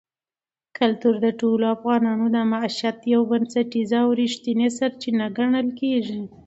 کلتور د ټولو افغانانو د معیشت یوه بنسټیزه او رښتینې سرچینه ګڼل کېږي.